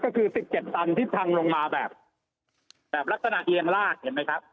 ก็คือ๑๗ตันที่พังลงมาแบบลักษณะเอียงลากเห็นไหมครับ